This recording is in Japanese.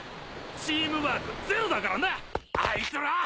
チームワークゼロだからなあいつら！